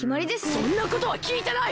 そんなことはきいてない！